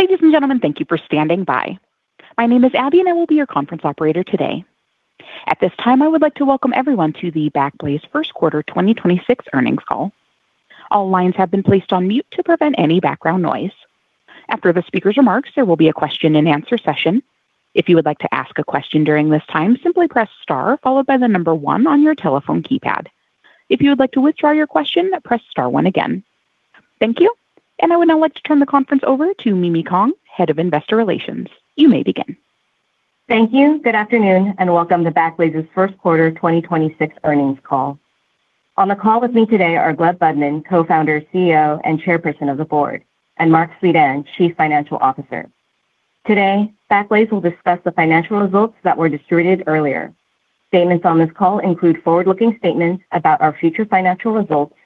Ladies and gentlemen, thank you for standing by. My name is Abby, and I will be your conference operator today. At this time, I would like to welcome everyone to the Backblaze first quarter 2026 earnings call. All lines have been placed on mute to prevent any background noise. After the speaker's remarks, there will be a question and answer session. If you would like to ask a question during this time, simply press star followed by the number one on your telephone keypad. If you would like to withdraw your question, press star one again. Thank you. I would now like to turn the conference over to Mimi Kong, Head of Investor Relations. You may begin. Thank you. Good afternoon, and welcome to Backblaze's first quarter 2026 earnings call. On the call with me today are Gleb Budman, Co-founder, CEO, and Chairperson of the Board, and Marc Suidan, Chief Financial Officer. Today, Backblaze will discuss the financial results that were distributed earlier. Statements on this call include forward-looking statements about our future financial results,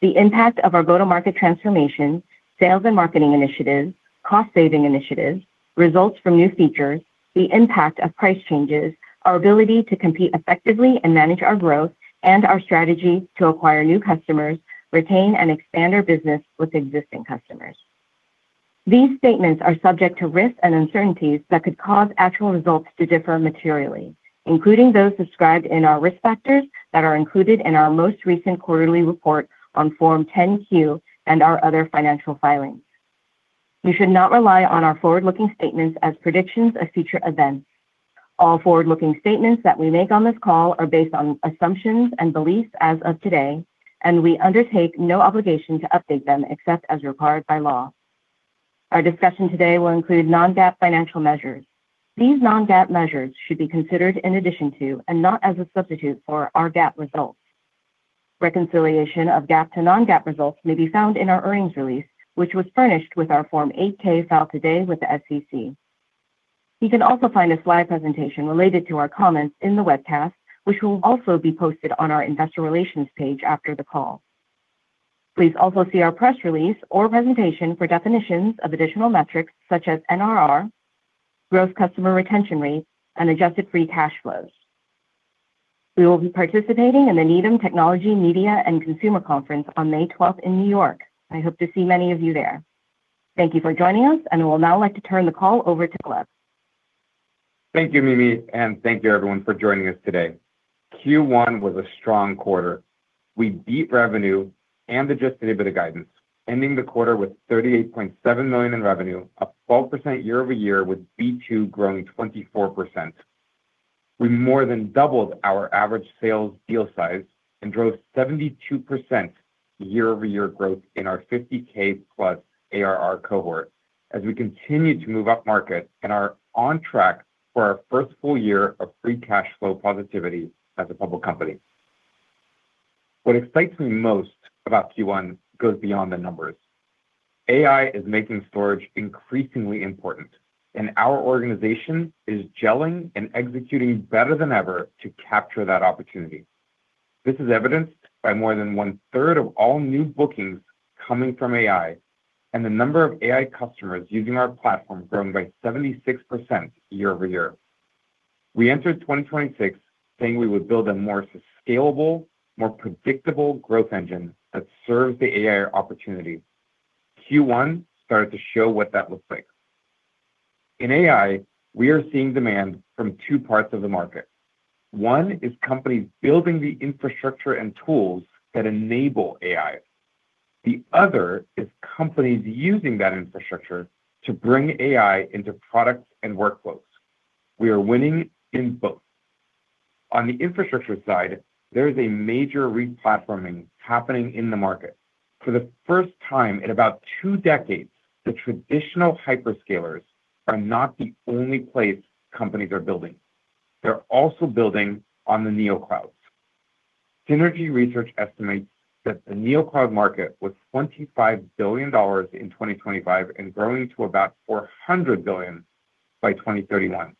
the impact of our go-to-market transformation, sales and marketing initiatives, cost-saving initiatives, results from new features, the impact of price changes, our ability to compete effectively and manage our growth, and our strategy to acquire new customers, retain and expand our business with existing customers. These statements are subject to risks and uncertainties that could cause actual results to differ materially, including those described in our risk factors that are included in our most recent quarterly report on Form 10-Q and our other financial filings. You should not rely on our forward-looking statements as predictions of future events. All forward-looking statements that we make on this call are based on assumptions and beliefs as of today. We undertake no obligation to update them except as required by law. Our discussion today will include non-GAAP financial measures. These non-GAAP measures should be considered in addition to and not as a substitute for our GAAP results. Reconciliation of GAAP to non-GAAP results may be found in our earnings release, which was furnished with our Form 8-K filed today with the SEC. You can also find a slide presentation related to our comments in the webcast, which will also be posted on our investor relations page after the call. Please also see our press release or presentation for definitions of additional metrics such as NRR, gross customer retention rate, and adjusted free cash flows. We will be participating in the Needham Technology, Media, and Consumer Conference on May 12th in New York. I hope to see many of you there. Thank you for joining us, and I would now like to turn the call over to Gleb. Thank you, Mimi, and thank you everyone for joining us today. Q1 was a strong quarter. We beat revenue and Adjusted EBITDA guidance, ending the quarter with $38.7 million in revenue, a 12% year-over-year with B2 growing 24%. We more than doubled our average sales deal size and drove 72% year-over-year growth in our 50K+ ARR cohort as we continue to move upmarket and are on track for our first full year of free cash flow positivity as a public company. What excites me most about Q1 goes beyond the numbers. AI is making storage increasingly important, and our organization is gelling and executing better than ever to capture that opportunity. This is evidenced by more than one third of all new bookings coming from AI and the number of AI customers using our platform growing by 76% year-over-year. We entered 2026 saying we would build a more scalable, more predictable growth engine that serves the AI opportunity. Q1 started to show what that looks like. In AI, we are seeing demand from two parts of the market. One is companies building the infrastructure and tools that enable AI. The other is companies using that infrastructure to bring AI into products and workflows. We are winning in both. On the infrastructure side, there is a major replatforming happening in the market. For the first time in about two decades, the traditional hyperscalers are not the only place companies are building. They're also building on the Neoclouds. Synergy Research Group estimates that the Neocloud market was $25 billion in 2025 and growing to about $400 billion by 2031.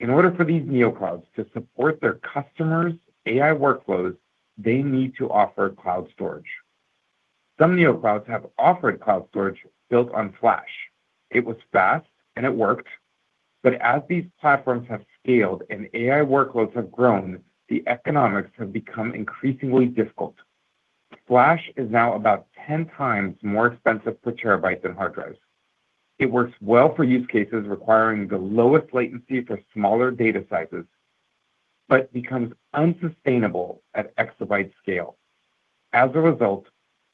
In order for these Neoclouds to support their customers' AI workloads, they need to offer cloud storage. Some Neoclouds have offered cloud storage built on Flash. It was fast, and it worked. As these platforms have scaled and AI workloads have grown, the economics have become increasingly difficult. Flash is now about 10x more expensive per terabyte than hard drives. It works well for use cases requiring the lowest latency for smaller data sizes but becomes unsustainable at exabyte scale. As a result,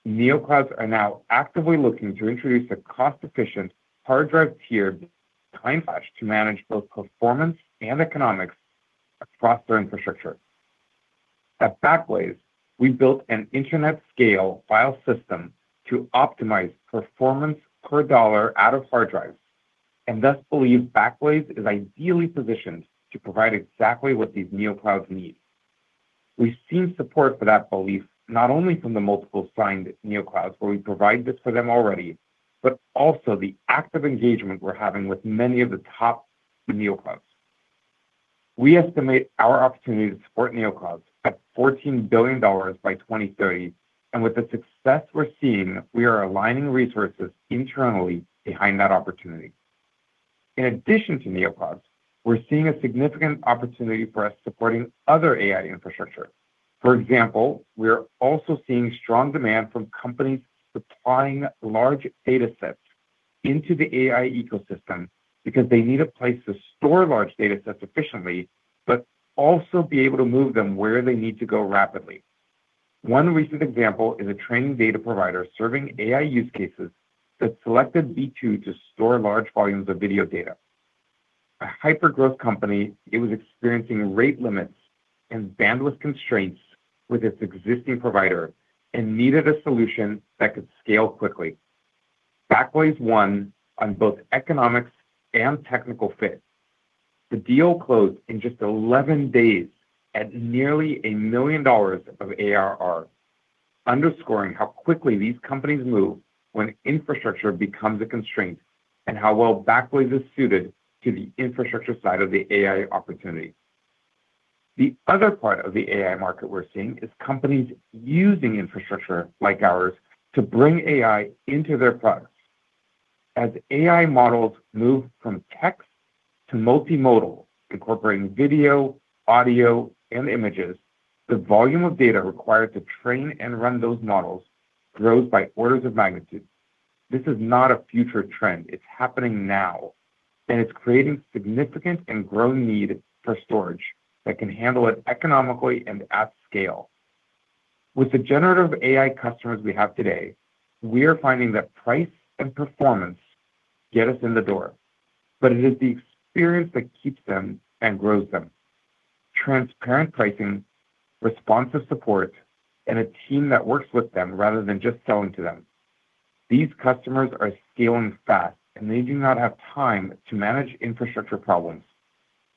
Neoclouds are now actively looking to introduce a cost-efficient hard drive tiered time Flash to manage both performance and economics across their infrastructure. At Backblaze, we built an internet-scale file system to optimize performance per dollar out of hard drives and thus believe Backblaze is ideally positioned to provide exactly what these Neoclouds need. We've seen support for that belief not only from the multiple signed Neoclouds where we provide this for them already, but also the active engagement we're having with many of the top Neoclouds. We estimate our opportunity to support Neoclouds at $14 billion by 2030, and with the success we're seeing, we are aligning resources internally behind that opportunity. In addition to Neoclouds, we're seeing a significant opportunity for us supporting other AI infrastructure. For example, we're also seeing strong demand from companies supplying large data sets into the AI ecosystem because they need a place to store large data sets efficiently, but also be able to move them where they need to go rapidly. One recent example is a training data provider serving AI use cases that selected B2 to store large volumes of video data. A hypergrowth company, it was experiencing rate limits and bandwidth constraints with its existing provider and needed a solution that could scale quickly. Backblaze won on both economics and technical fit. The deal closed in just 11 days at nearly $1 million of ARR, underscoring how quickly these companies move when infrastructure becomes a constraint and how well Backblaze is suited to the infrastructure side of the AI opportunity. The other part of the AI market we're seeing is companies using infrastructure like ours to bring AI into their products. As AI models move from text to multimodal, incorporating video, audio, and images, the volume of data required to train and run those models grows by orders of magnitude. This is not a future trend. It's happening now, and it's creating significant and growing need for storage that can handle it economically and at scale. With the generative AI customers we have today, we are finding that price and performance get us in the door, but it is the experience that keeps them and grows them. Transparent pricing, responsive support, and a team that works with them rather than just selling to them. These customers are scaling fast, and they do not have time to manage infrastructure problems.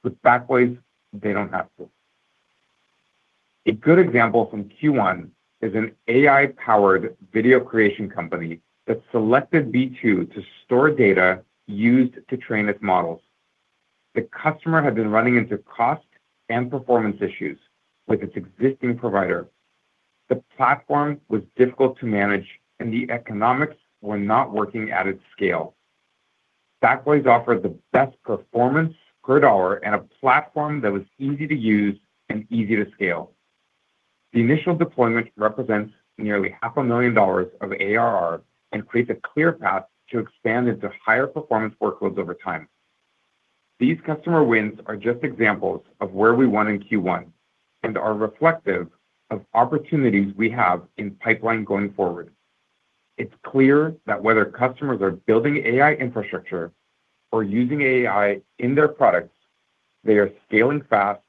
With Backblaze, they don't have to. A good example from Q1 is an AI-powered video creation company that selected B2 to store data used to train its models. The customer had been running into cost and performance issues with its existing provider. The platform was difficult to manage, and the economics were not working at its scale. Backblaze offered the best performance per dollar and a platform that was easy to use and easy to scale. The initial deployment represents nearly half a million dollars of ARR and creates a clear path to expand into higher performance workloads over time. These customer wins are just examples of where we won in Q1 and are reflective of opportunities we have in pipeline going forward. It's clear that whether customers are building AI infrastructure or using AI in their products, they are scaling fast,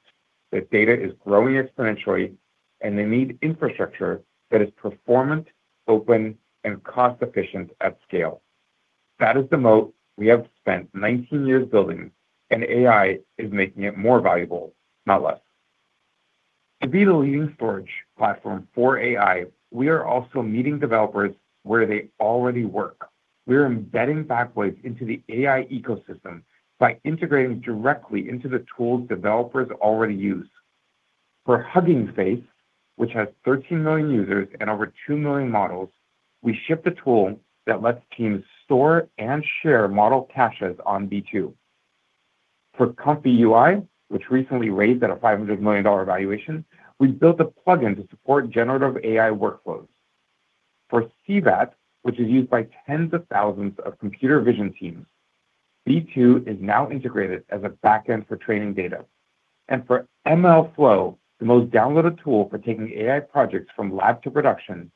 that data is growing exponentially, and they need infrastructure that is performant, open, and cost-efficient at scale. That is the moat we have spent 19 years building, and AI is making it more valuable, not less. To be the leading storage platform for AI, we are also meeting developers where they already work. We're embedding Backblaze into the AI ecosystem by integrating directly into the tools developers already use. For Hugging Face, which has 13 million users and over 2 million models, we ship the tool that lets teams store and share model caches on B2. For ComfyUI, which recently raised at a $500 million valuation, we built a plugin to support generative AI workflows. For CVAT, which is used by tens of thousands of computer vision teams, B2 is now integrated as a back-end for training data. For MLflow, the most downloaded tool for taking AI projects from lab to production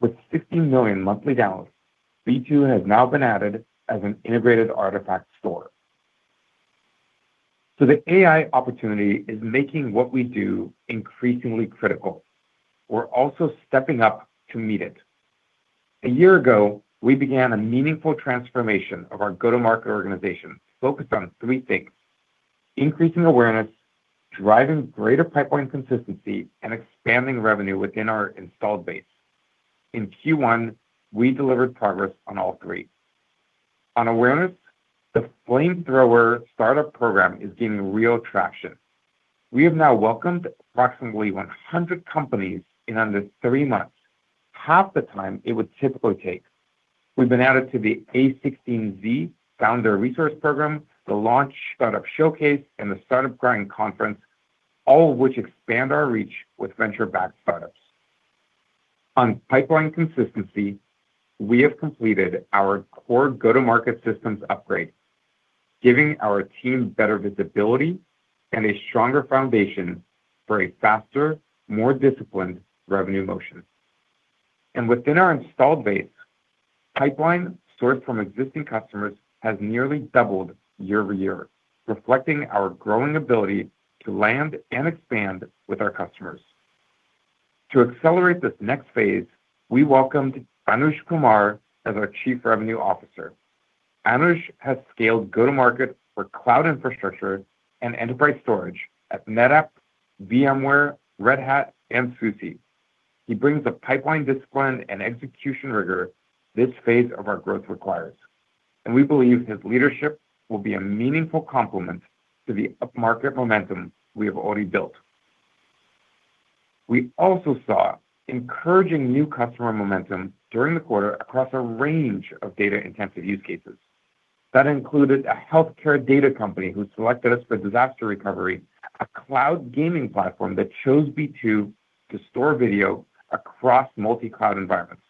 with 60 million monthly downloads, B2 has now been added as an integrated artifact store. The AI opportunity is making what we do increasingly critical. We're also stepping up to meet it. A year ago, we began a meaningful transformation of our go-to-market organization focused on three things: increasing awareness, driving greater pipeline consistency, and expanding revenue within our installed base. In Q1, we delivered progress on all three. On awareness, the Backblaze Flamethrower startup program is gaining real traction. We have now welcomed approximately 100 companies in under three months, half the time it would typically take. We've been added to the a16z founder resource program, the Startup Launch Showcase, and the Startup Grind Conference, all of which expand our reach with venture-backed startups. On pipeline consistency, we have completed our core go-to-market systems upgrade, giving our team better visibility and a stronger foundation for a faster, more disciplined revenue motion. Within our installed base, pipeline sourced from existing customers has nearly doubled year-over-year, reflecting our growing ability to land and expand with our customers. To accelerate this next phase, we welcomed Anuj Kumar as our Chief Revenue Officer. Anuj has scaled go-to-market for cloud infrastructure and enterprise storage at NetApp, VMware, Red Hat, and SUSE. He brings a pipeline discipline and execution rigor this phase of our growth requires, and we believe his leadership will be a meaningful complement to the upmarket momentum we have already built. We also saw encouraging new customer momentum during the quarter across a range of data-intensive use cases. That included a healthcare data company who selected us for disaster recovery, a cloud gaming platform that chose B2 to store video across multi-cloud environments,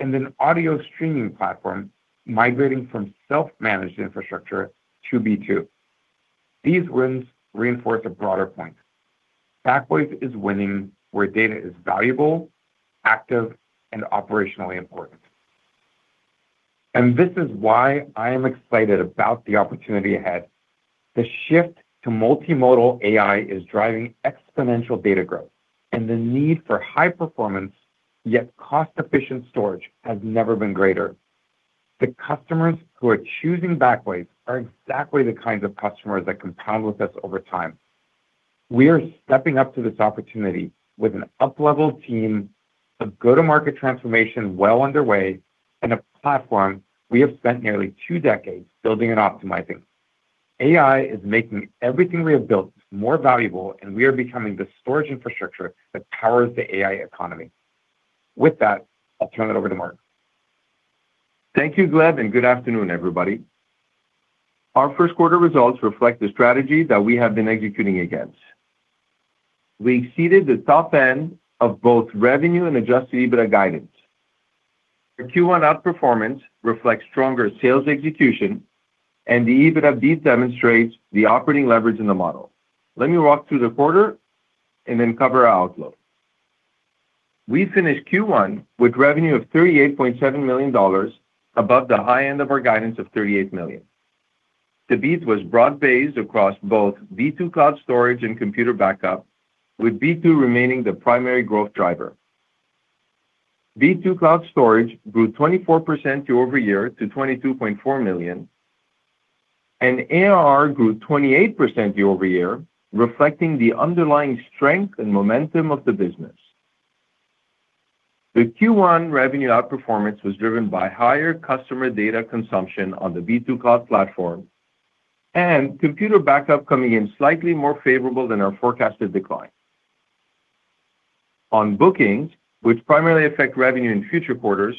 and an audio streaming platform migrating from self-managed infrastructure to B2. These wins reinforce a broader point. Backblaze is winning where data is valuable, active, and operationally important. This is why I am excited about the opportunity ahead. The shift to multimodal AI is driving exponential data growth, and the need for high performance, yet cost-efficient storage has never been greater. The customers who are choosing Backblaze are exactly the kinds of customers that compound with us over time. We are stepping up to this opportunity with an up-leveled team, a go-to-market transformation well underway, and a platform we have spent nearly two decades building and optimizing. AI is making everything we have built more valuable, and we are becoming the storage infrastructure that powers the AI economy. With that, I'll turn it over to Marc. Thank you, Gleb, and good afternoon, everybody. Our first quarter results reflect the strategy that we have been executing against. We exceeded the top end of both revenue and Adjusted EBITDA guidance. The Q1 outperformance reflects stronger sales execution, and the EBITDA beat demonstrates the operating leverage in the model. Let me walk through the quarter and then cover our outlook. We finished Q1 with revenue of $38.7 million, above the high end of our guidance of $38 million. The beat was broad-based across both B2 Cloud Storage and Computer Backup, with B2 remaining the primary growth driver. B2 Cloud Storage grew 24% year-over-year to $22.4 million, and ARR grew 28% year-over-year, reflecting the underlying strength and momentum of the business. The Q1 revenue outperformance was driven by higher customer data consumption on the B2 Cloud platform and computer backup coming in slightly more favorable than our forecasted decline. On bookings, which primarily affect revenue in future quarters,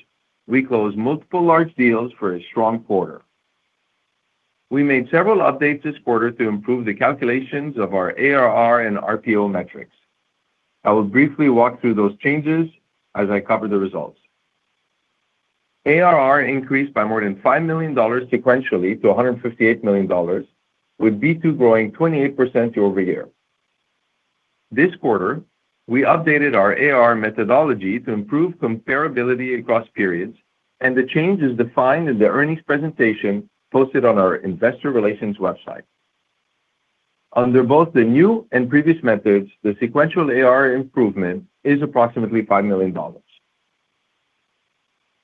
we closed multiple large deals for a strong quarter. We made several updates this quarter to improve the calculations of our ARR and RPO metrics. I will briefly walk through those changes as I cover the results. ARR increased by more than $5 million sequentially to $158 million, with B2 growing 28% year-over-year. This quarter, we updated our ARR methodology to improve comparability across periods. The change is defined in the earnings presentation posted on our investor relations website. Under both the new and previous methods, the sequential ARR improvement is approximately $5 million.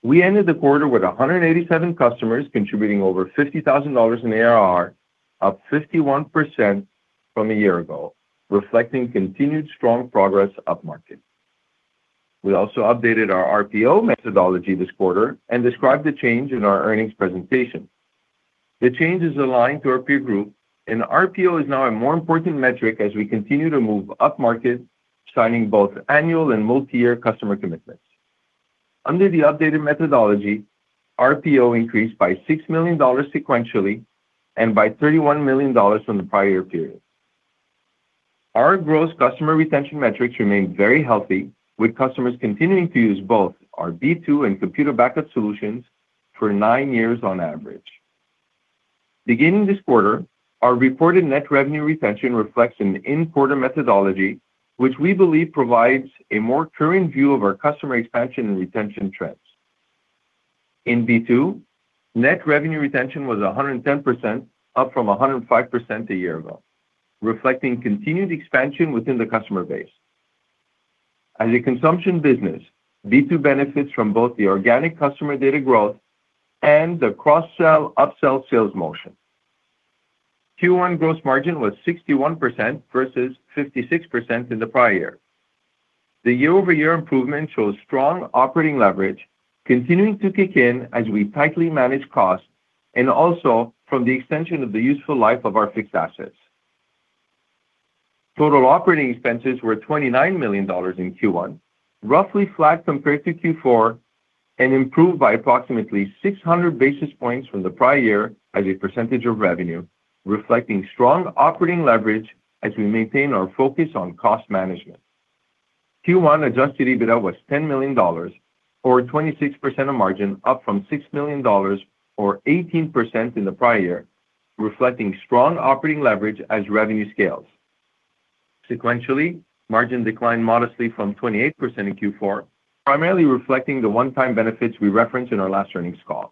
We ended the quarter with 187 customers contributing over $50,000 in ARR, up 51% from a year-ago, reflecting continued strong progress up-market. We also updated our RPO methodology this quarter and described the change in our earnings presentation. The change is aligned to our peer group, and RPO is now a more important metric as we continue to move up-market, signing both annual and multi-year customer commitments. Under the updated methodology, RPO increased by $6 million sequentially and by $31 million from the prior period. Our gross customer retention metrics remain very healthy, with customers continuing to use both our B2 and Computer Backup solutions for nine years on average. Beginning this quarter, our reported net revenue retention reflects an in-quarter methodology, which we believe provides a more current view of our customer expansion and retention trends. In B2, NRR was 110%, up from 105% a year ago, reflecting continued expansion within the customer base. As a consumption business, B2 benefits from both the organic customer data growth and the cross-sell/upsell sales motion. Q1 gross margin was 61% versus 56% in the prior year. The year-over-year improvement shows strong operating leverage continuing to kick in as we tightly manage costs and also from the extension of the useful life of our fixed assets. Total operating expenses were $29 million in Q1, roughly flat compared to Q4, and improved by approximately 600 basis points from the prior year as a percentage of revenue, reflecting strong operating leverage as we maintain our focus on cost management. Q1 Adjusted EBITDA was $10 million, or 26% of margin, up from $6 million, or 18% in the prior year, reflecting strong operating leverage as revenue scales. Sequentially, margin declined modestly from 28% in Q4, primarily reflecting the one-time benefits we referenced in our last earnings call.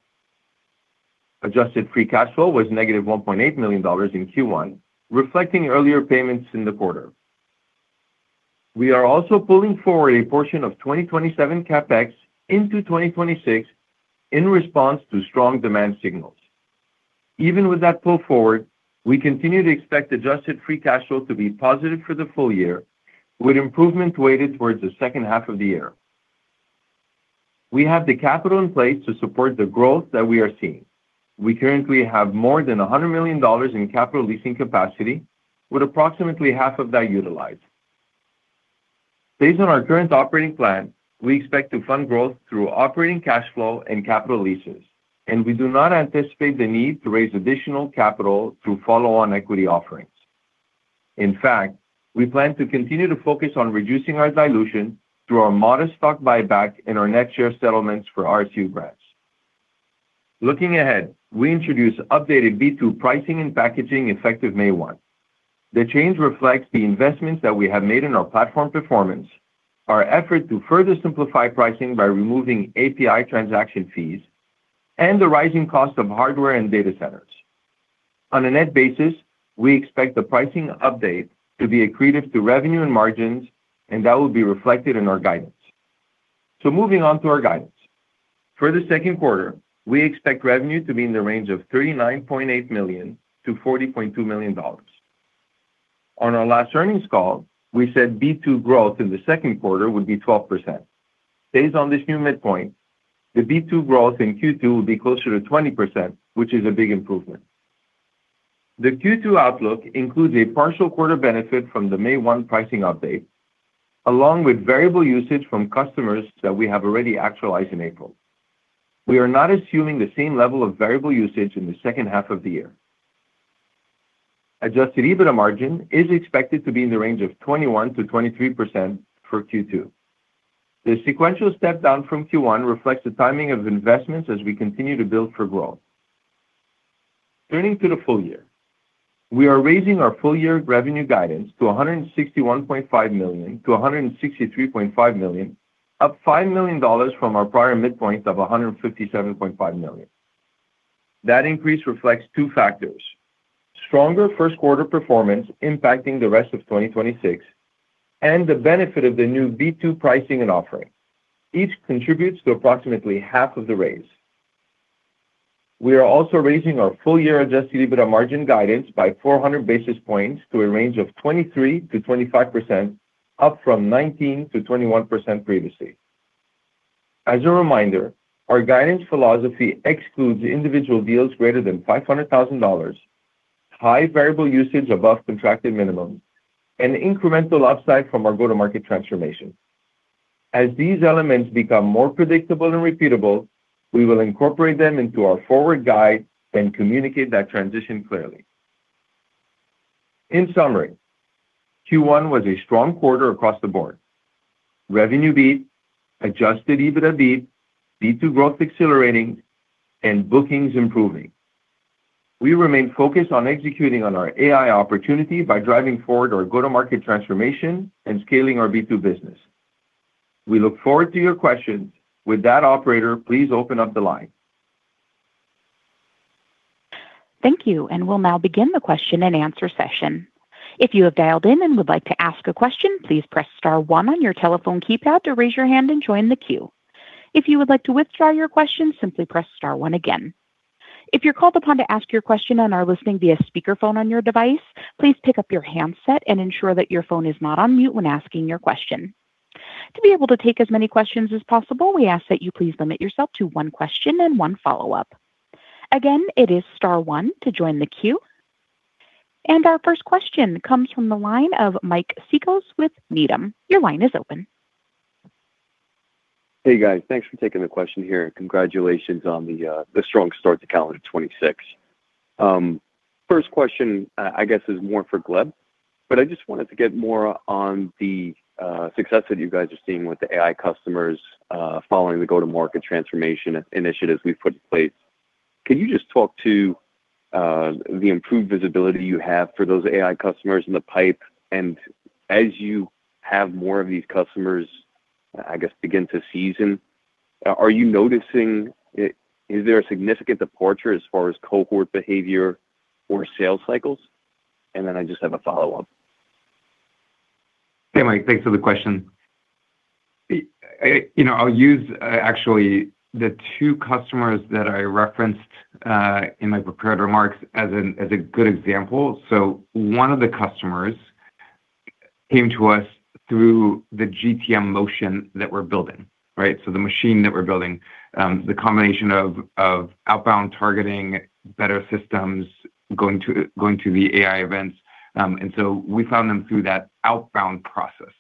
Adjusted free cash flow was negative $1.8 million in Q1, reflecting earlier payments in the quarter. We are also pulling forward a portion of 2027 CapEx into 2026 in response to strong demand signals. Even with that pull forward, we continue to expect adjusted free cash flow to be positive for the full year, with improvement weighted towards the second half of the year. We have the capital in place to support the growth that we are seeing. We currently have more than $100 million in capital leasing capacity with approximately half of that utilized. Based on our current operating plan, we expect to fund growth through operating cash flow and capital leases, and we do not anticipate the need to raise additional capital through follow-on equity offerings. In fact, we plan to continue to focus on reducing our dilution through our modest stock buyback and our next year settlements for RSU grants. Looking ahead, we introduce updated B2 pricing and packaging effective May 1. The change reflects the investments that we have made in our platform performance, our effort to further simplify pricing by removing API transaction fees, and the rising cost of hardware and data centers. On a net basis, we expect the pricing update to be accretive to revenue and margins, and that will be reflected in our guidance. Moving on to our guidance. For the second quarter, we expect revenue to be in the range of $39.8 million-$40.2 million. On our last earnings call, we said B2 growth in the second quarter would be 12%. Based on this new midpoint, the B2 growth in Q2 will be closer to 20%, which is a big improvement. The Q2 outlook includes a partial quarter benefit from the May 1 pricing update, along with variable usage from customers that we have already actualized in April. We are not assuming the same level of variable usage in the second half of the year. Adjusted EBITDA margin is expected to be in the range of 21%-23% for Q2. The sequential step down from Q1 reflects the timing of investments as we continue to build for growth. Turning to the full year, we are raising our full-year revenue guidance to $161.5 million-$163.5 million, up $5 million from our prior midpoint of $157.5 million. That increase reflects two factors: stronger first quarter performance impacting the rest of 2026, and the benefit of the new B2 pricing and offering. Each contributes to approximately half of the raise. We are also raising our full-year Adjusted EBITDA margin guidance by 400 basis points to a range of 23%-25%, up from 19%-21% previously. As a reminder, our guidance philosophy excludes individual deals greater than $500,000, high variable usage above contracted minimum, and incremental upside from our go-to-market transformation. As these elements become more predictable and repeatable, we will incorporate them into our forward guide and communicate that transition clearly. In summary, Q1 was a strong quarter across the board. Revenue beat, Adjusted EBITDA beat, B2 growth accelerating, and bookings improving. We remain focused on executing on our AI opportunity by driving forward our go-to-market transformation and scaling our B2 business. We look forward to your questions. With that, operator, please open up the line. Thank you. We'll now begin the question and answer session. If you have dialed in and would like to ask a question, please press star one on your telephone keypad to raise your hand and join the queue. If you would like to withdraw your question, simply press star one again. If you're called upon to ask your question and are listening via speakerphone on your device, please pick up your handset and ensure that your phone is not on mute when asking your question. To be able to take as many questions as possible, we ask that you please limit yourself to one question and one follow-up. Again, it is star one to join the queue. Our first question comes from the line of Mike Cikos with Needham. Your line is open. Hey, guys. Thanks for taking the question here, and congratulations on the strong start to calendar 2026. First question, I guess is more for Gleb, but I just wanted to get more on the success that you guys are seeing with the AI customers, following the go-to-market transformation initiatives we've put in place. Could you just talk to the improved visibility you have for those AI customers in the pipe? As you have more of these customers, I guess, begin to season, are you noticing is there a significant departure as far as cohort behavior or sales cycles? I just have a follow-up. Yeah, Mike. Thanks for the question. You know, I'll use actually the two customers that I referenced in my prepared remarks as a good example. One of the customers came to us through the GTM motion that we're building, right? The machine that we're building, the combination of outbound targeting better systems going to the AI events. We found them through that outbound process.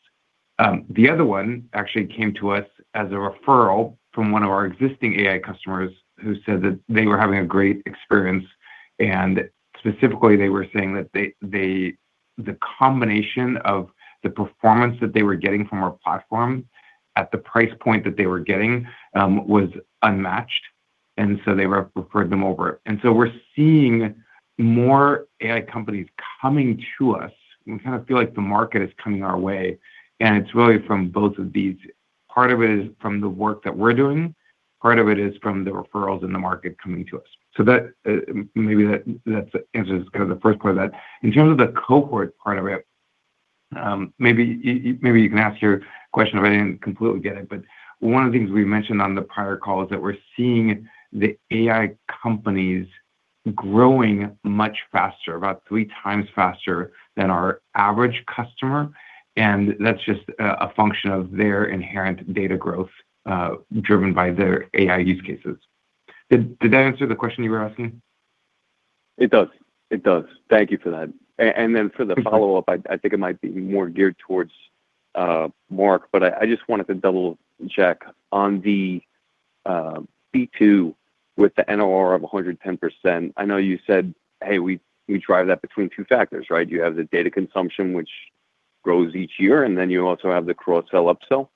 The other one actually came to us as a referral from one of our existing AI customers who said that they were having a great experience. Specifically, they were saying that they the combination of the performance that they were getting from our platform at the price point that they were getting was unmatched, they referred them over. We're seeing more AI companies coming to us. We kinda feel like the market is coming our way, and it's really from both of these. Part of it is from the work that we're doing, part of it is from the referrals in the market coming to us. That, maybe that answers kind of the first part of that. In terms of the cohort part of it, maybe you can ask your question if I didn't completely get it. One of the things we mentioned on the prior call is that we're seeing the AI companies Growing much faster, about three times faster than our average customer, and that's just a function of their inherent data growth, driven by their AI use cases. Did that answer the question you were asking? It does. It does. Thank you for that. For the follow-up, I think it might be more geared towards Marc, but I just wanted to double check on the B2 with the NRR of 110%. I know you said, "Hey, we drive that between two factors," right? You have the data consumption, which grows each year, and then you also have the cross-sell, up-sell.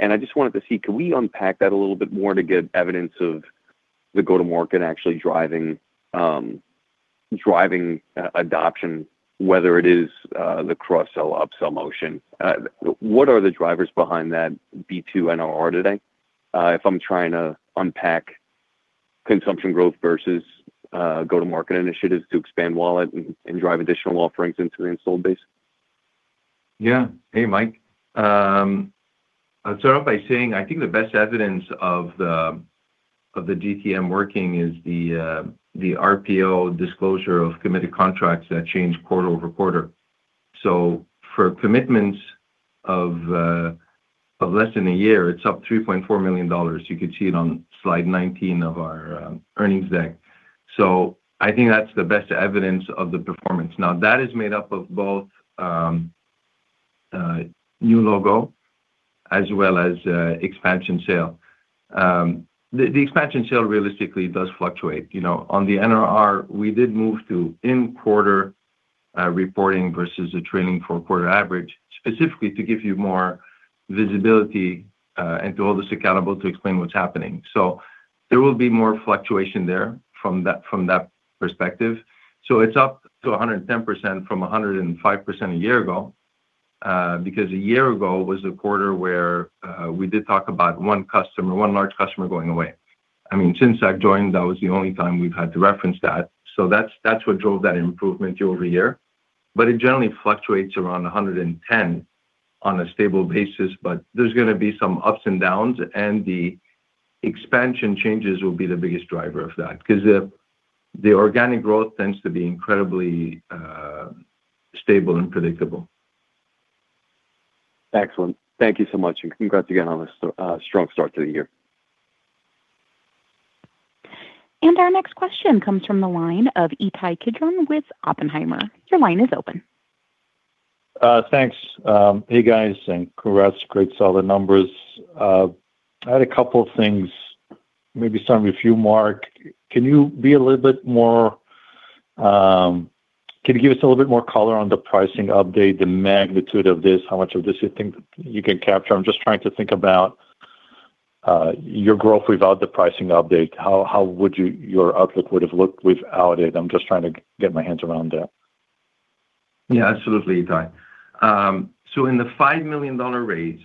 I just wanted to see, could we unpack that a little bit more to get evidence of the go-to-market actually driving driving adoption, whether it is the cross-sell, up-sell motion? What are the drivers behind that B2 NRR today, if I'm trying to unpack consumption growth versus go-to-market initiatives to expand wallet and drive additional offerings into the installed base? Yeah. Hey, Mike. I'll start off by saying I think the best evidence of the GTM working is the RPO disclosure of committed contracts that change quarter-over-quarter. For commitments of less than a year, it's up $3.4 million. You could see it on slide 19 of our earnings deck. I think that's the best evidence of the performance. Now, that is made up of both new logo as well as expansion sale. The expansion sale realistically does fluctuate. You know, on the NRR, we did move to in-quarter reporting versus a trailing four-quarter average, specifically to give you more visibility and to hold us accountable to explain what's happening. There will be more fluctuation there from that perspective. It's up to 110% from 105% a year ago, because a year ago was a quarter where we did talk about one customer, one large customer going away. I mean, since I've joined, that was the only time we've had to reference that. That's what drove that improvement year-over-year. It generally fluctuates around 110 on a stable basis, but there's gonna be some ups and downs, and the expansion changes will be the biggest driver of that, 'cause the organic growth tends to be incredibly stable and predictable. Excellent. Thank you so much, and congrats again on a strong start to the year. Our next question comes from the line of Ittai Kidron with Oppenheimer. Your line is open. Thanks. Hey, guys, and congrats. Great to see all the numbers. I had a couple of things, maybe starting with you, Marc. Can you give us a little bit more color on the pricing update, the magnitude of this, how much of this you think you can capture? I'm just trying to think about your growth without the pricing update. How would your outlook have looked without it? I'm just trying to get my hands around that. Yeah, absolutely, Ittai. In the $5 million raise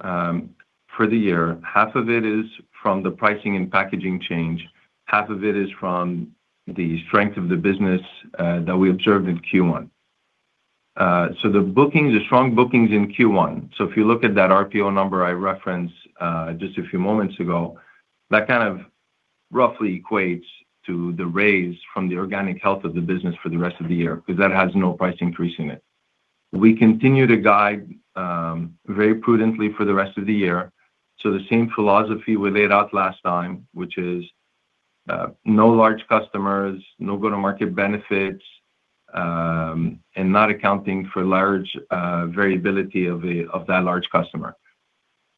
for the year, half of it is from the pricing and packaging change, half of it is from the strength of the business that we observed in Q1. The bookings, the strong bookings in Q1, if you look at that RPO number I referenced just a few moments ago, that kind of roughly equates to the raise from the organic health of the business for the rest of the year, 'cause that has no price increase in it. We continue to guide very prudently for the rest of the year, the same philosophy we laid out last time, which is no large customers, no go-to-market benefits, not accounting for large variability of that large customer.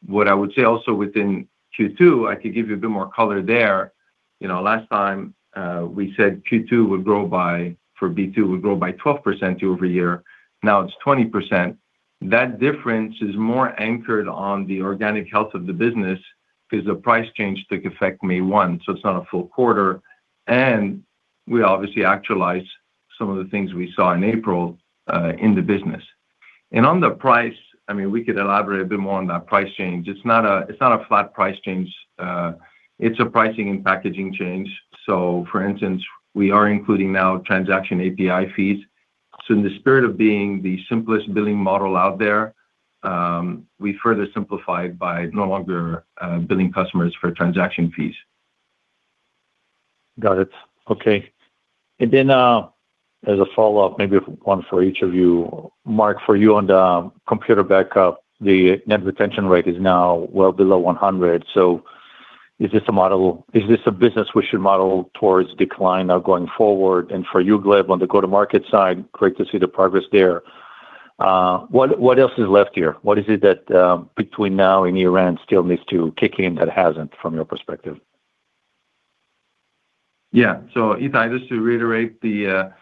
What I would say also within Q2, I could give you a bit more color there. You know, last time, we said Q2 would grow by, for B2, would grow by 12% year-over-year. Now it's 20%. That difference is more anchored on the organic health of the business 'cause the price change took effect May 1, so it's not a full quarter, and we obviously actualize some of the things we saw in April in the business. On the price, I mean, we could elaborate a bit more on that price change. It's not a flat price change. It's a pricing and packaging change. For instance, we are including now transaction API fees. In the spirit of being the simplest billing model out there, we further simplified by no longer billing customers for transaction fees. Got it. Okay. As a follow-up, maybe one for each of you. Marc, for you on the Backblaze Computer Backup, the net retention rate is now well below 100%. Is this a business we should model towards decline now going forward? For you, Gleb, on the go-to-market side, great to see the progress there. What else is left here? What is it that between now and year-end still needs to kick in that hasn't from your perspective? Yeah. Ittai, just to reiterate the,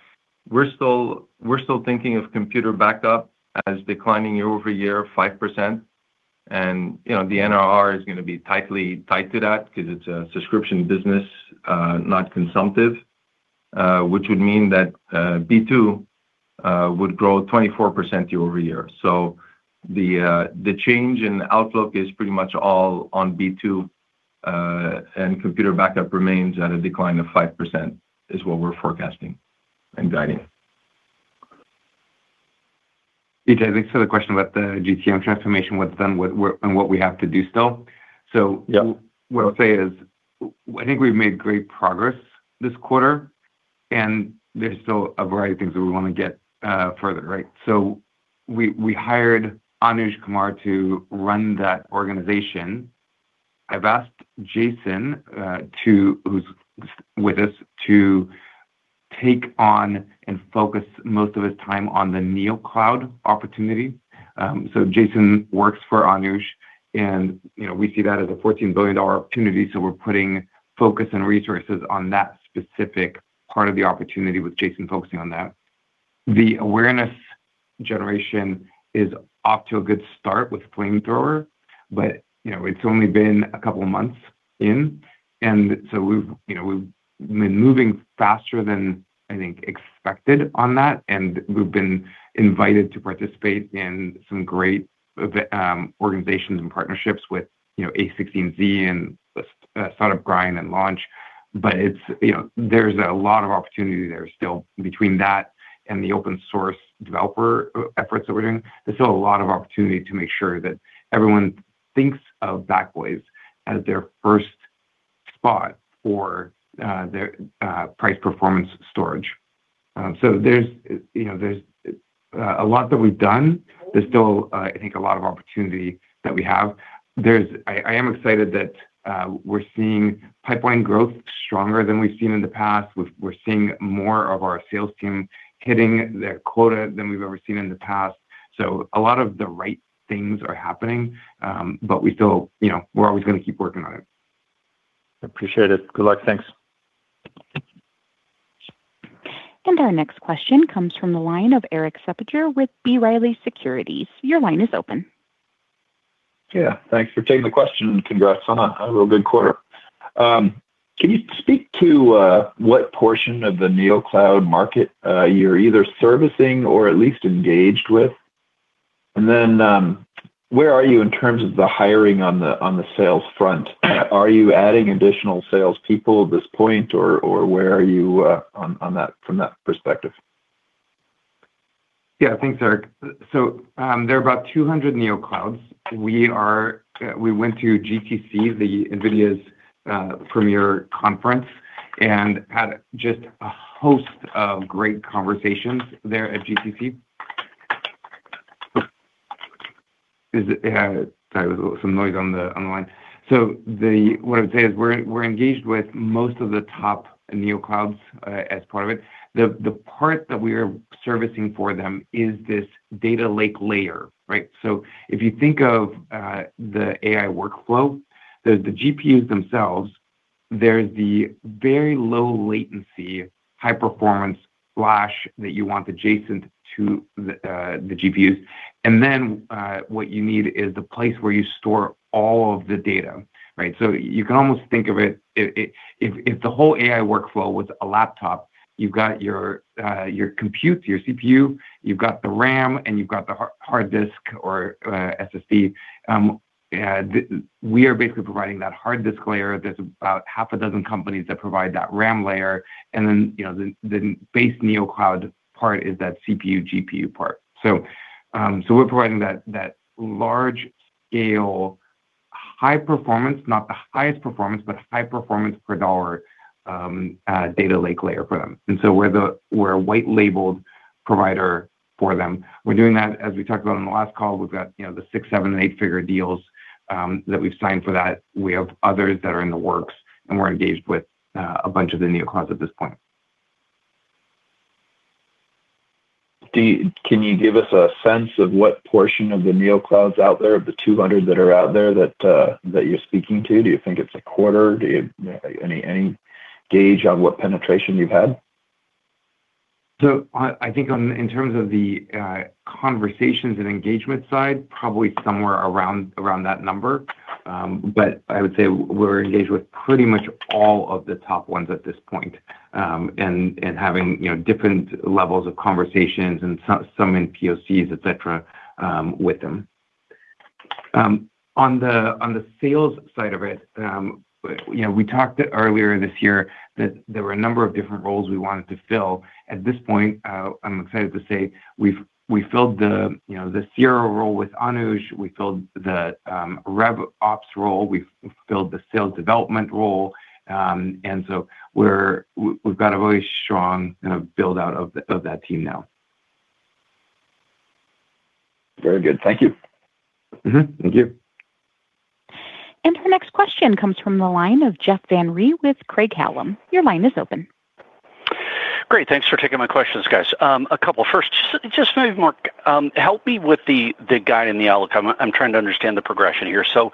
we're still, we're still thinking of Backblaze Computer Backup as declining year-over-year 5%. You know, the NRR is going to be tightly tied to that because it's a subscription business, not consumptive, which would mean that B2 would grow 24% year-over-year. The change in outlook is pretty much all on B2, and Backblaze Computer Backup remains at a decline of 5% is what we're forecasting and guiding. DJ, I think it's for the question about the GTM transformation, what's done, what and what we have to do still. Yeah. what I'll say is I think we've made great progress this quarter, and there's still a variety of things that we want to get further, right. We, we hired Anuj Kumar to run that organization. I've asked Jason, who's with us, to take on and focus most of his time on the Neocloud opportunity. Jason works for Anuj and, you know, we see that as a $14 billion opportunity, so we're putting focus and resources on that specific part of the opportunity with Jason focusing on that. The awareness generation is off to a good start with Flamethrower. You know, it's only been two months in, and so we've, you know, we've been moving faster than I think expected on that, and we've been invited to participate in some great organizations and partnerships with, you know, a16z and the Startup Grind and Launch. It's, you know, there's a lot of opportunity there still between that and the open source developer efforts that we're doing. There's still a lot of opportunity to make sure that everyone thinks of Backblaze as their first spot for their price performance storage. There's, you know, there's a lot that we've done. There's still, I think a lot of opportunity that we have. I am excited that we're seeing pipeline growth stronger than we've seen in the past. We're seeing more of our sales team hitting their quota than we've ever seen in the past. A lot of the right things are happening, but we still, you know, we're always gonna keep working on it. Appreciate it. Good luck. Thanks. Our next question comes from the line of Zach Cummins with B. Riley Securities. Your line is open. Yeah, thanks for taking the question, and congrats on a real good quarter. Can you speak to what portion of the Neocloud market you're either servicing or at least engaged with? Then, where are you in terms of the hiring on the sales front? Are you adding additional sales people at this point or where are you on that from that perspective? Thanks, Zach. There are about 200 Neoclouds. We went to GTC, the NVIDIA's premier conference, had just a host of great conversations there at GTC. Sorry, there was some noise on the line. What I would say is we're engaged with most of the top Neoclouds as part of it. The part that we are servicing for them is this data lake layer, right? If you think of the AI workflow, the GPUs themselves, there's the very low latency, high performance Flash that you want adjacent to the GPUs. What you need is the place where you store all of the data, right? You can almost think of it, if the whole AI workflow was a laptop, you've got your compute, your CPU, you've got the RAM, and you've got the hard disk or SSD. We are basically providing that hard disk layer. There's about half a dozen companies that provide that RAM layer, and then, you know, the base Neocloud part is that CPU, GPU part. We're providing that large scale high performance, not the highest performance, but high performance per dollar, data lake layer for them. We're a white labeled provider for them. We're doing that, as we talked about on the last call. We've got, you know, the six, seven, and eight-figure deals that we've signed for that. We have others that are in the works, and we're engaged with a bunch of the Neoclouds at this point. Can you give us a sense of what portion of the Neoclouds out there, of the 200 that are out there that you're speaking to? Do you think it's a quarter? Any gauge on what penetration you've had? I think in terms of the conversations and engagement side, probably somewhere around that number. I would say we're engaged with pretty much all of the top ones at this point, and having, you know, different levels of conversations and some in POCs, et cetera, with them. On the sales side of it, you know, we talked earlier this year that there were a number of different roles we wanted to fill. At this point, I'm excited to say we filled the, you know, the CRO role with Anuj. We filled the rev ops role. We filled the sales development role. We've got a really strong, you know, build-out of that team now. Very good. Thank you. Thank you. Our next question comes from the line of Jeff Van Rhee with Craig-Hallum. Your line is open. Great. Thanks for taking my questions, guys. A couple. First, just maybe, Marc, help me with the guide and the outlook. I'm trying to understand the progression here. So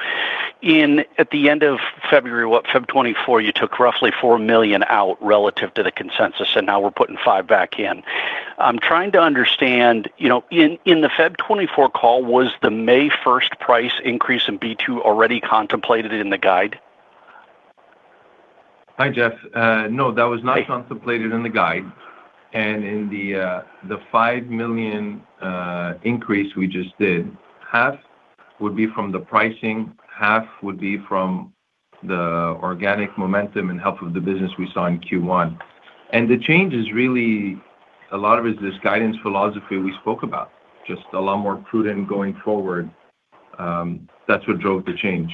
at the end of February, what, Feb 24, you took roughly $4 million out relative to the consensus, and now we're putting five back in. I'm trying to understand, you know, in the Feb 24 call, was the May 1st price increase in B2 already contemplated in the guide? Hi, Jeff. no, that was- Great. Contemplated in the guide. In the $5 million increase we just did, half would be from the pricing, half would be from the organic momentum and health of the business we saw in Q1. The change is really a lot of it is this guidance philosophy we spoke about, just a lot more prudent going forward. That's what drove the change.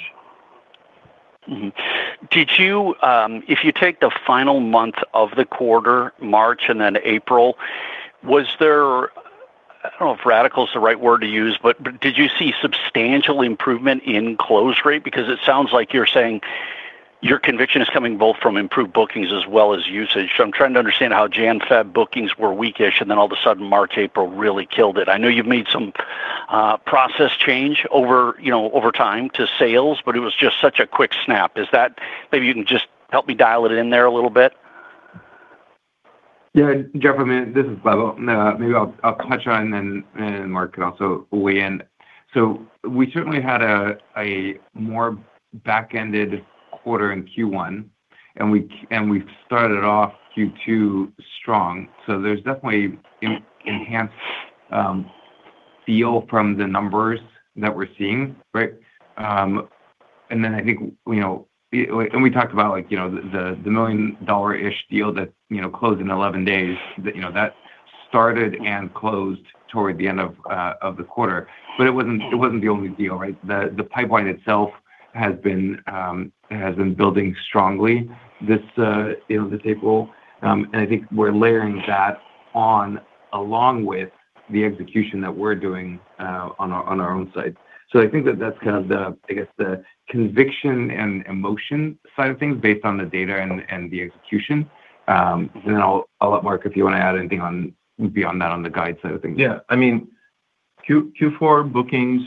Did you, if you take the final month of the quarter, March and then April, I don't know if radical is the right word to use, but did you see substantial improvement in close rate? Because it sounds like you're saying your conviction is coming both from improved bookings as well as usage. I'm trying to understand how Jan, Feb bookings were weak-ish, and then all of a sudden March, April really killed it. I know you've made some process change over, you know, over time to sales, but it was just such a quick snap. Maybe you can just help me dial it in there a little bit. Yeah, Jeff, I mean, this is Gleb. Maybe I'll touch on and Marc can also weigh in. We certainly had a more back-ended quarter in Q1, and we've started off Q2 strong. There's definitely enhanced feel from the numbers that we're seeing, right? I think, you know, we talked about, like, you know, the million dollar-ish deal that, you know, closed in 11 days that, you know, that started and closed toward the end of the quarter. It wasn't, it wasn't the only deal, right? The, the pipeline itself has been building strongly this, you know, to date. I think we're layering that on along with the execution that we're doing on our, on our own side. I think that that's kind of the, I guess, the conviction and emotion side of things based on the data and the execution. I'll let Marc, if you wanna add anything on beyond that on the guide side of things. Yeah. I mean, Q4 bookings,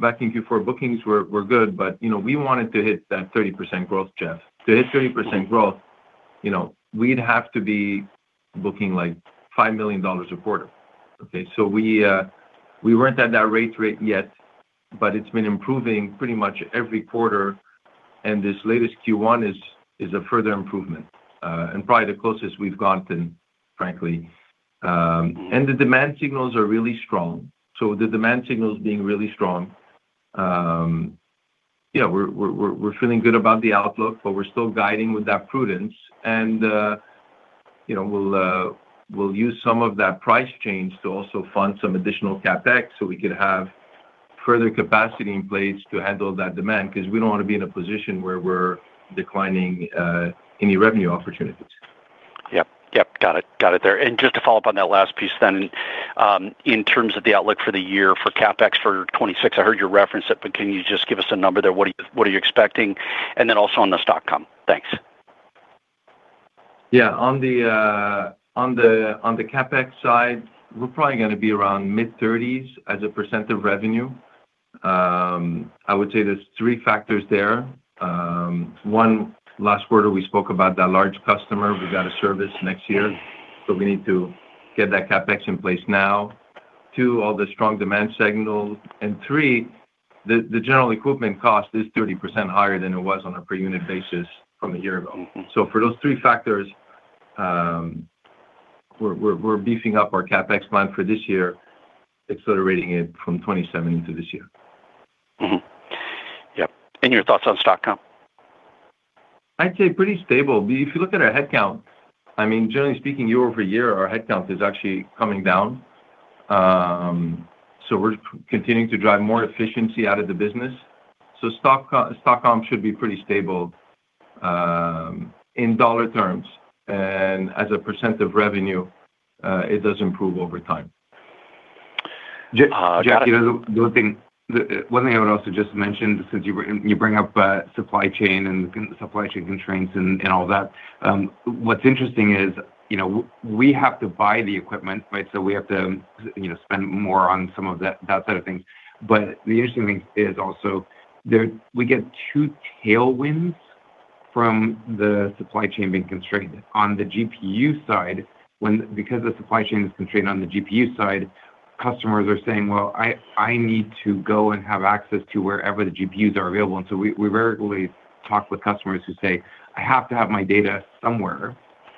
back in Q4 bookings were good, you know, we wanted to hit that 30% growth, Jeff. To hit 30% growth, you know, we'd have to be booking like $5 million a quarter. Okay? We weren't at that rate yet, it's been improving pretty much every quarter, and this latest Q1 is a further improvement, and probably the closest we've gotten, frankly. The demand signals are really strong. The demand signals being really strong, yeah, we're feeling good about the outlook, we're still guiding with that prudence. You know, we'll use some of that price change to also fund some additional CapEx, so we could have further capacity in place to handle that demand, 'cause we don't wanna be in a position where we're declining any revenue opportunities. Yep. Yep. Got it. Got it there. Just to follow up on that last piece then, in terms of the outlook for the year for CapEx for 2026, I heard you reference it, but can you just give us a number there? What are you expecting? Also on the stock comp. Thanks. On the CapEx side, we're probably gonna be around mid-30s as a percent of revenue. I would say there's three factors there. One, last quarter we spoke about that large customer we gotta service next year, so we need to get that CapEx in place now. Two, all the strong demand signals. Three, the general equipment cost is 30% higher than it was on a per unit basis from a year ago. For those three factors, we're beefing up our CapEx plan for this year, accelerating it from 27 into this year. Yep. Your thoughts on stock com? I'd say pretty stable. If you look at our headcount, I mean, generally speaking, year-over-year, our headcount is actually coming down. We're continuing to drive more efficiency out of the business. Stock comp should be pretty stable in dollar terms. As a percent of revenue, it does improve over time. Jeff, you know, the only thing. One thing I would also just mention, since you bring up supply chain and supply chain constraints and all that. What's interesting is, you know, we have to buy the equipment, right? We have to, you know, spend more on some of that side of things. The interesting thing is also there, we get two tailwinds from the supply chain being constrained. On the GPU side, because the supply chain is constrained on the GPU side, customers are saying, "Well, I need to go and have access to wherever the GPUs are available." We regularly talk with customers who say, "I have to have my data somewhere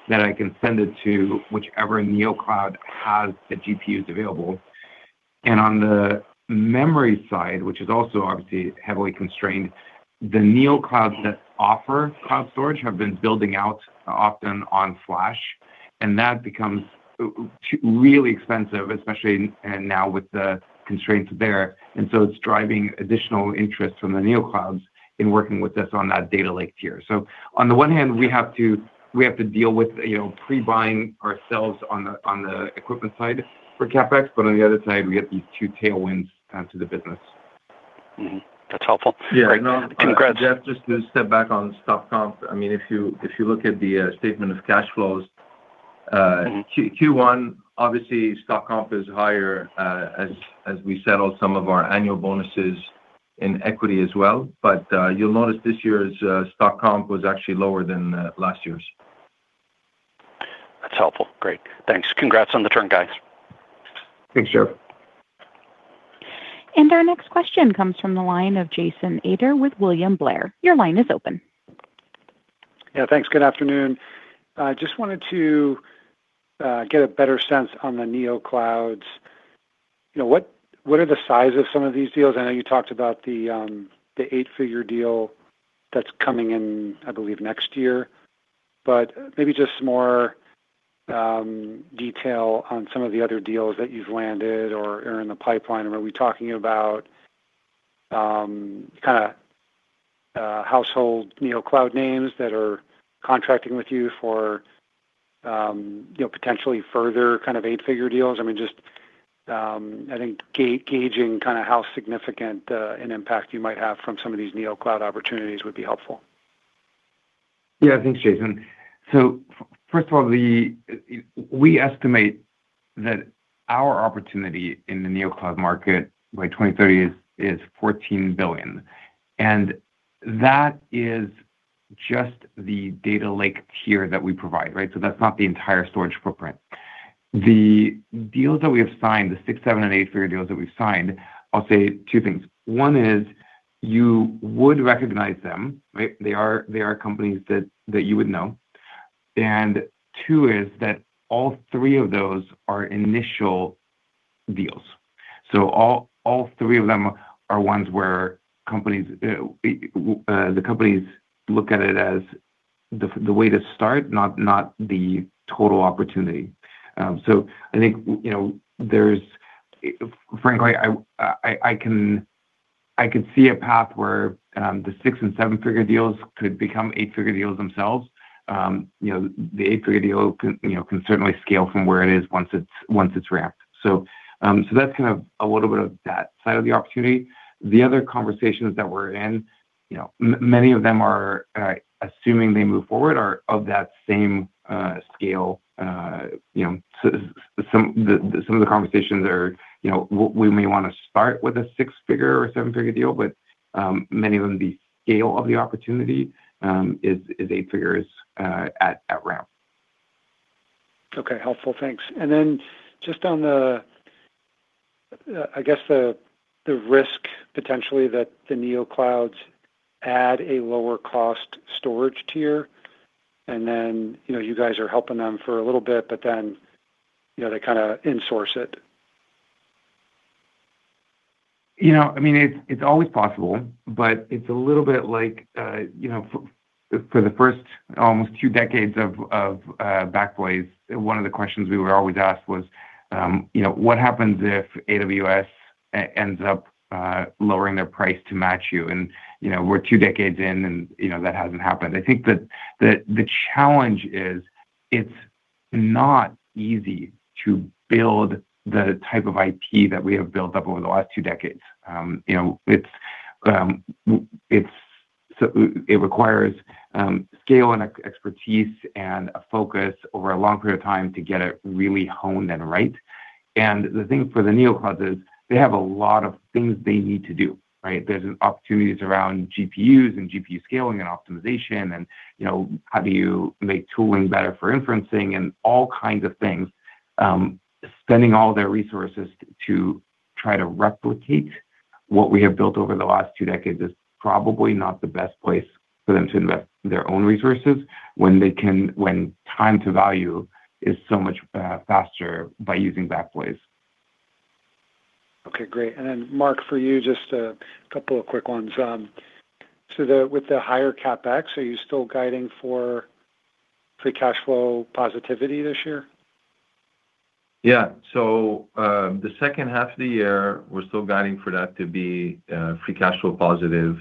that I can send it to whichever Neocloud has the GPUs available." On the memory side, which is also obviously heavily constrained, the Neoclouds that offer cloud storage have been building out often on Flash, and that becomes really expensive, especially now with the constraints there. It's driving additional interest from the Neoclouds in working with us on that data lake tier. On the one hand, we have to deal with, you know, pre-buying ourselves on the, on the equipment side for CapEx, but on the other side, we get these two tailwinds to the business. That's helpful. Yeah. Congrats. Jeff, just to step back on stock comp. I mean, if you look at the statement of cash flows- Q1, obviously stock comp is higher, as we settle some of our annual bonuses in equity as well. You'll notice this year's stock comp was actually lower than last year's. That's helpful. Great. Thanks. Congrats on the turn, guys. Thanks, Jeff. Our next question comes from the line of Jason Ader with William Blair. Your line is open. Yeah, thanks. Good afternoon. I just wanted to get a better sense on the Neoclouds. You know, what are the size of some of these deals? I know you talked about the eight-figure deal that's coming in, I believe, next year. Maybe just some more detail on some of the other deals that you've landed or are in the pipeline. Are we talking about kinda household Neocloud names that are contracting with you for, you know, potentially further kind of eight-figure deals? I mean, just, I think gauging kind of how significant an impact you might have from some of these Neocloud opportunities would be helpful. Yeah. Thanks, Jason. First of all, we estimate that our opportunity in the Neocloud market by 2030 is $14 billion, and that is just the data lake tier that we provide, right? That's not the entire storage footprint. The deals that we have signed, the six, seven, and eight-figure deals that we've signed, I'll say two things. One is, you would recognize them, right? They are companies that you would know. Two is that all three of those are initial deals. All three of them are ones where companies, the companies look at it as the way to start, not the total opportunity. I think, you know, Frankly, I can see a path where the six- and seven-figure deals could become eight-figure deals themselves. You know, the eight-figure deal can, you know, can certainly scale from where it is once it's, once it's ramped. That's kind of a little bit of that side of the opportunity. The other conversations that we're in, you know, many of them are, assuming they move forward, are of that same scale. You know, some of the conversations are, you know, we may wanna start with a six-figure or seven-figure deal, but many of them, the scale of the opportunity, is eight figures at ramp. Okay. Helpful. Thanks. Just on the, I guess, the risk potentially that the Neoclouds add a lower cost storage tier, and then, you know, you guys are helping them for a little bit, but then, you know, they kinda insource it. You know, I mean, it's always possible, but it's a little bit like, you know, for the first almost two decades of Backblaze, one of the questions we were always asked was, you know, "What happens if AWS ends up lowering their price to match you?" You know, we're two decades in and, you know, that hasn't happened. I think that the challenge is it's not easy to build the type of IP that we have built up over the last two decades. You know, it's so it requires scale and expertise and a focus over a long period of time to get it really honed and right. The thing for the NeoClouds is they have a lot of things they need to do, right? There's opportunities around GPUs and GPU scaling and optimization and, you know, how do you make tooling better for inferencing and all kinds of things. Spending all their resources to try to replicate what we have built over the last two decades is probably not the best place for them to invest their own resources when time to value is so much faster by using Backblaze. Okay. Great. Marc, for you, just a couple of quick ones. With the higher CapEx, are you still guiding for free cash flow positivity this year? Yeah. The second half of the year, we're still guiding for that to be free cash flow positive.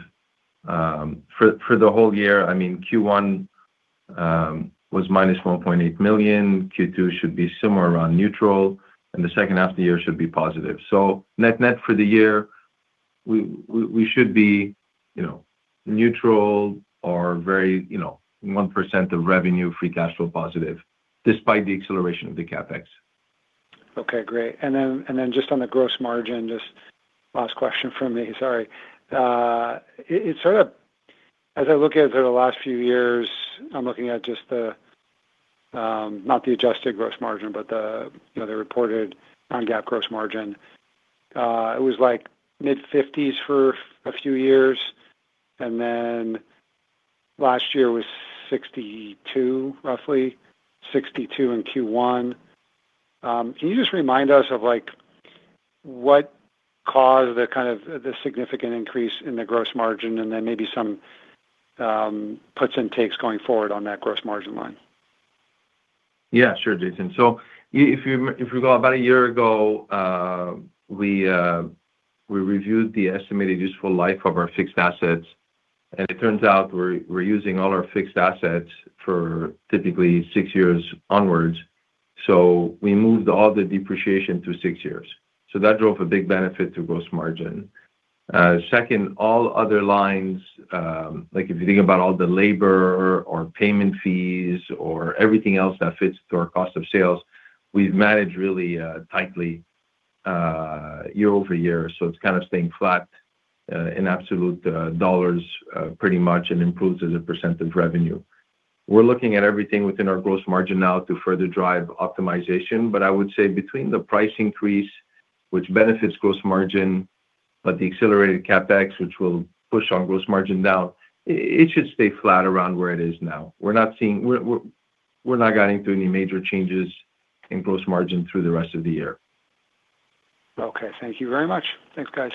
For the whole year, I mean, Q1 was minus $1.8 million. Q2 should be somewhere around neutral, and the second half of the year should be positive. Net net for the year, we should be, you know, neutral or very, you know, 1% of revenue free cash flow positive despite the acceleration of the CapEx. Okay, great. Just on the gross margin, just last question from me. Sorry. As I look at it the last few years, I'm looking at just the, not the adjusted gross margin, but the, you know, the reported non-GAAP gross margin. It was like mid-fifties for a few years, and then last year was 62 in Q1. Can you just remind us of what caused the significant increase in the gross margin and then maybe some puts and takes going forward on that gross margin line? Yeah. Sure, Jason. If you go about a year ago, we reviewed the estimated useful life of our fixed assets, and it turns out we're using all our fixed assets for typically six years onwards. We moved all the depreciation to six years. That drove a big benefit to gross margin. Second, all other lines, like if you think about all the labor or payment fees or everything else that fits to our cost of sales, we've managed really tightly year-over-year. It's kind of staying flat in absolute dollars pretty much and improves as a percent of revenue. We're looking at everything within our gross margin now to further drive optimization. I would say between the price increase, which benefits gross margin. The accelerated CapEx, which will push on gross margin down, it should stay flat around where it is now. We're not guiding through any major changes in gross margin through the rest of the year. Okay. Thank you very much. Thanks, guys.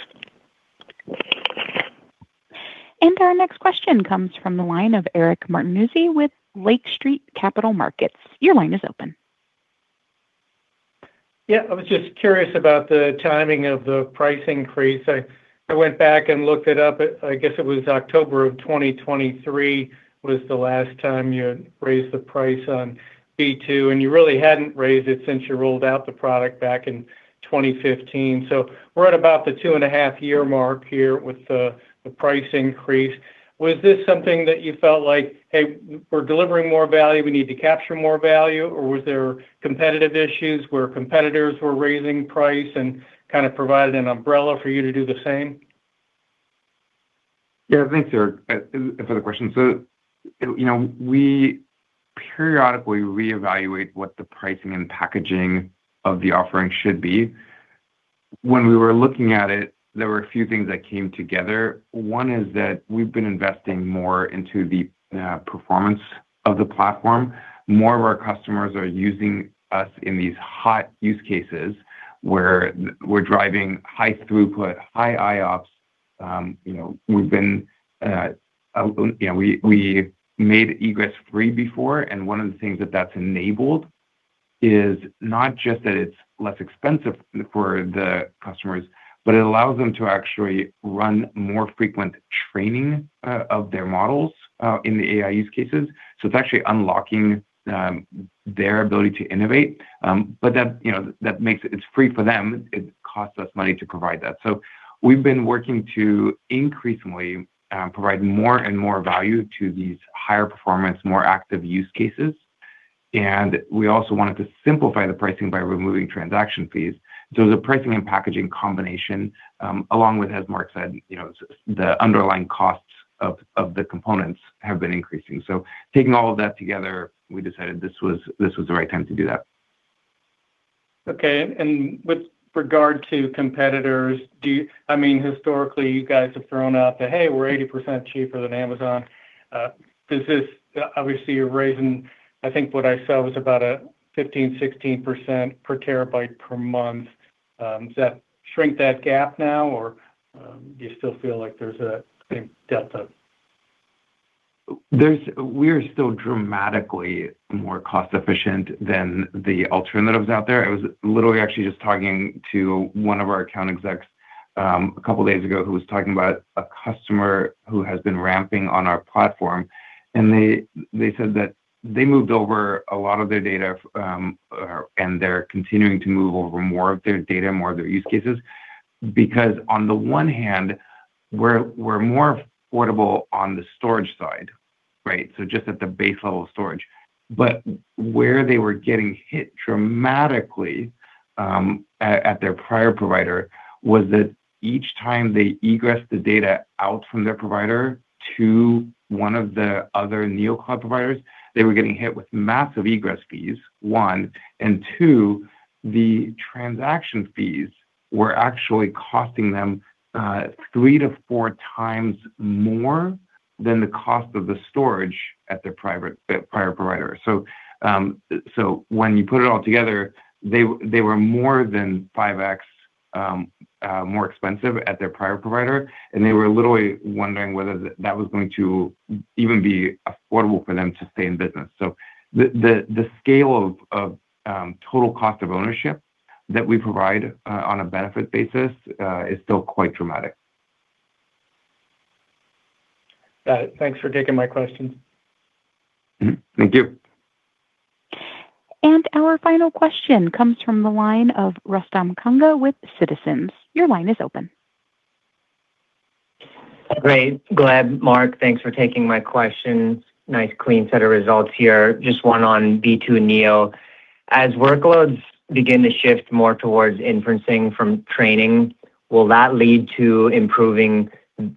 Our next question comes from the line of Eric Martinuzzi with Lake Street Capital Markets. Your line is open. I was just curious about the timing of the price increase. I went back and looked it up. I guess it was October of 2023 was the last time you raised the price on B2, and you really hadn't raised it since you rolled out the product back in 2015. We're at about the 2.5 year mark here with the price increase. Was this something that you felt like, "Hey, we're delivering more value, we need to capture more value," or was there competitive issues where competitors were raising price and kind of provided an umbrella for you to do the same? Yeah, thanks, Eric, for the question. You know, we periodically reevaluate what the pricing and packaging of the offering should be. When we were looking at it, there were a few things that came together. One is that we've been investing more into the performance of the platform. More of our customers are using us in these hot use cases where we're driving high throughput, high IOPS. You know, we've been, you know, we made egress free before, and one of the things that that's enabled is not just that it's less expensive for the customers, but it allows them to actually run more frequent training of their models in the AI use cases. It's actually unlocking their ability to innovate. That, you know, that makes it free for them. It costs us money to provide that. We've been working to increasingly provide more and more value to these higher performance, more active use cases, and we also wanted to simplify the pricing by removing transaction fees. The pricing and packaging combination, along with, as Marc said, you know, the underlying costs of the components have been increasing. Taking all of that together, we decided this was the right time to do that. Okay. I mean, historically, you guys have thrown out the, "Hey, we're 80% cheaper than Amazon." Obviously you're raising, I think what I saw was about a 15%, 16% per terabyte per month. Does that shrink that gap now, or do you still feel like there's a delta? We're still dramatically more cost-efficient than the alternatives out there. I was literally actually just talking to one of our account execs, a couple days ago, who was talking about a customer who has been ramping on our platform. And they said that they moved over a lot of their data and they're continuing to move over more of their data, more of their use cases because, on the one hand, we're more affordable on the storage side, right? So just at the base level storage. But where they were getting hit dramatically, at their prior provider was that each time they egress the data out from their provider to one of the other Neocloud providers, they were getting hit with massive egress fees, one. Two, the transaction fees were actually costing them three to four times more than the cost of the storage at their prior provider. When you put it all together, they were more than five times more expensive at their prior provider, and they were literally wondering whether that was going to even be affordable for them to stay in business. The scale of total cost of ownership that we provide on a benefit basis is still quite dramatic. Got it. Thanks for taking my question. Thank you. Our final question comes from the line of Rustam Kanga with Citizens. Your line is open. Great. Gleb, Marc, thanks for taking my question. Nice clean set of results here. Just one on B2 Neocloud. As workloads begin to shift more towards inferencing from training, will that lead to improving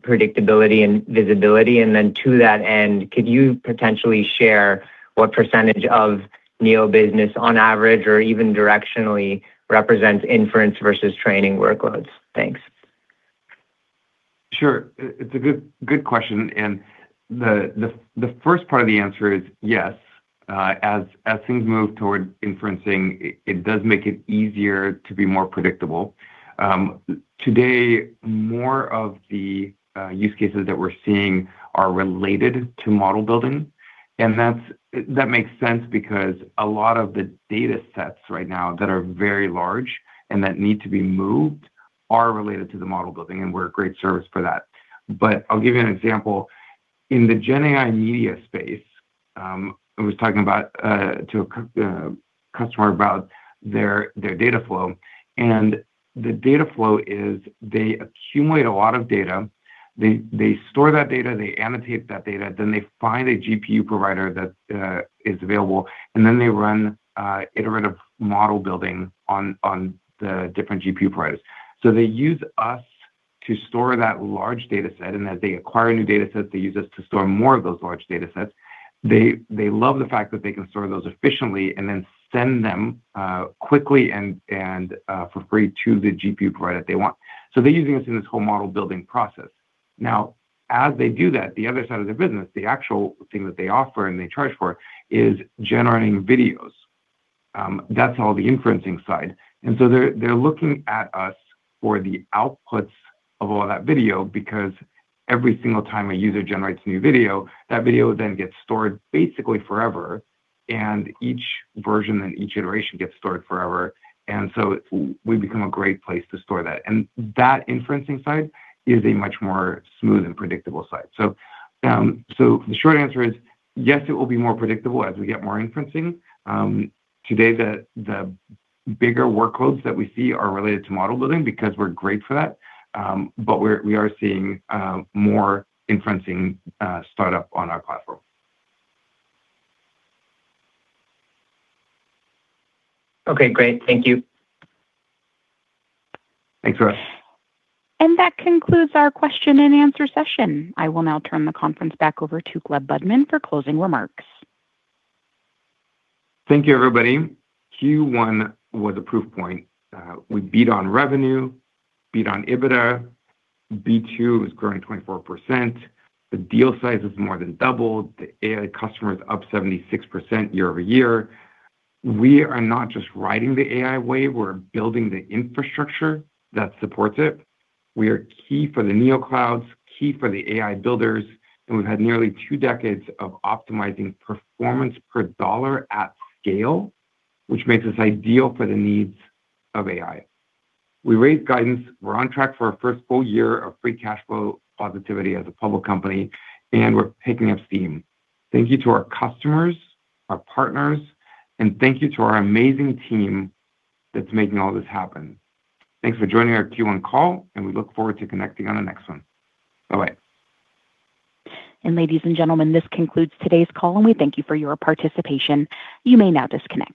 predictability and visibility? Then to that end, could you potentially share what percentage of Neocloud business on average or even directionally represents inference versus training workloads? Thanks. Sure. It's a good question. The first part of the answer is yes. As things move toward inferencing, it does make it easier to be more predictable. Today, more of the use cases that we're seeing are related to model building, and that makes sense because a lot of the datasets right now that are very large and that need to be moved are related to the model building, and we're a great service for that. I'll give you an example. In the GenAI media space, I was talking to a customer about their data flow, and the data flow is they accumulate a lot of data. They store that data, they annotate that data, they find a GPU provider that is available, they run iterative model building on the different GPU providers. They use us to store that large dataset, and as they acquire a new dataset, they use us to store more of those large datasets. They love the fact that they can store those efficiently and send them quickly and for free to the GPU provider they want. They're using us in this whole model building process. As they do that, the other side of their business, the actual thing that they offer and they charge for, is generating videos. That's all the inferencing side. They're, they're looking at us for the outputs of all that video because every single time a user generates a new video, that video then gets stored basically forever, and each version and each iteration gets stored forever. We become a great place to store that. That inferencing side is a much more smooth and predictable side. The short answer is, yes, it will be more predictable as we get more inferencing. Today the bigger workloads that we see are related to model building because we're great for that. We're, we are seeing more inferencing start up on our platform. Okay, great. Thank you. Thanks, Russ. That concludes our question and answer session. I will now turn the conference back over to Gleb Budman for closing remarks. Thank you, everybody. Q1 was a proof point. We beat on revenue, beat on EBITDA. B2 is growing 24%. The deal size has more than doubled. The AI customers up 76% year-over-year. We are not just riding the AI wave, we're building the infrastructure that supports it. We are key for the Neoclouds, key for the AI builders, and we've had nearly two decades of optimizing performance per dollar at scale, which makes us ideal for the needs of AI. We raised guidance. We're on track for our first full year of free cash flow positivity as a public company, and we're picking up steam. Thank you to our customers, our partners, and thank you to our amazing team that's making all this happen. Thanks for joining our Q1 call, and we look forward to connecting on the next one. Bye-bye. Ladies and gentlemen, this concludes today's call, and we thank you for your participation. You may now disconnect.